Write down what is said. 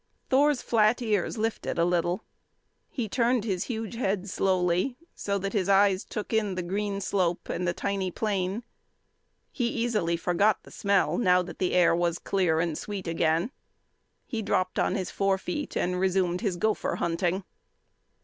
Thor's flat ears lifted a little. He turned his huge head slowly so that his eyes took in the green slope and the tiny plain. He easily forgot the smell now that the air was clear and sweet again. He dropped on his four feet, and resumed his gopher hunting.